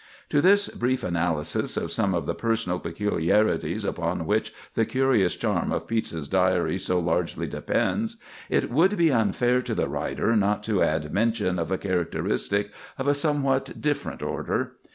To this brief analysis of some of the personal peculiarities upon which the curious charm of Pepys's Diary so largely depends, it would be unfair to the writer not to add mention of a characteristic of a somewhat different order.